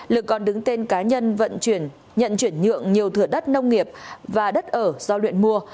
lực còn đứng tên cá nhân vận chuyển nhận chuyển nhượng nhiều thửa đất nông nghiệp và đất ở do luyện mua